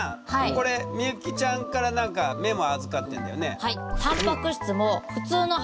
これ幸ちゃんから何かメモ預かってんだよね。